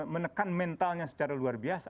menekan mentalnya secara luar biasa